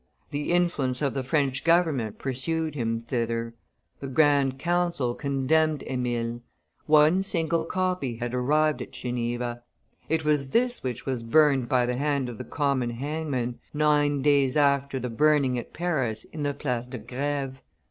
The influence of the French government pursued him thither; the Grand Council condemned Emile. One single copy had arrived at Geneva it was this which was burned by the hand of the common hangman, nine days after the, burning at Paris in the Place de Greve.